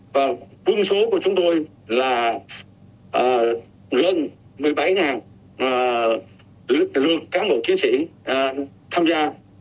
và quân số của chúng tôi là gần một mươi bảy lượt cán bộ chiến sĩ tham gia